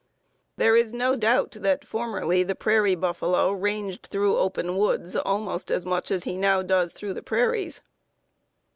There is no doubt that formerly the prairie buffalo ranged through open woods almost as much as he now does through the prairies."